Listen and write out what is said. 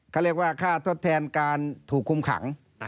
เขาเรียกว่าค่าทดแทนการถูกคุมขัง